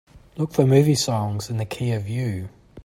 Look for the movie Songs in the Key of You